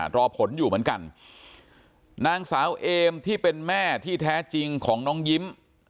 รอผลอยู่เหมือนกันนางสาวเอมที่เป็นแม่ที่แท้จริงของน้องยิ้ม